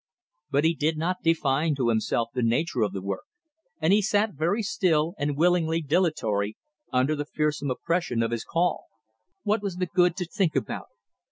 But he did not define to himself the nature of the work, and he sat very still, and willingly dilatory, under the fearsome oppression of his call. What was the good to think about it?